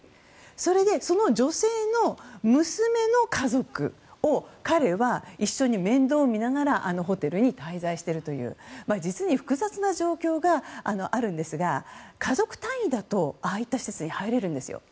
それでその女性の娘の家族を彼は一緒に面倒を見ながらあのホテルに滞在しているという実に複雑な状況があるんですが家族単位だとああいった施設に入れるんですよ。